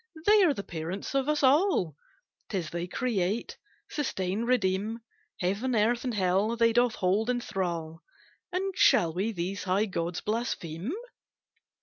They are the parents of us all, 'Tis they create, sustain, redeem, Heaven, earth and hell, they hold in thrall, And shall we these high gods blaspheme?